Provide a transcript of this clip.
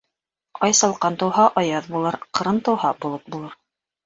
Ай салҡан тыуһа, аяҙ булыр, ҡырын тыуһа, болот булыр.